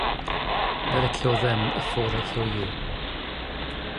Better kill them afore they kill you.